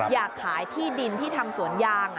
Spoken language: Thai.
อยากขายที่ดินที่ทำสวนยาง